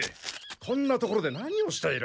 こんな所で何をしている？